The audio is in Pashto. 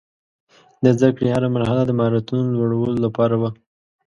د زده کړې هره مرحله د مهارتونو لوړولو لپاره وه.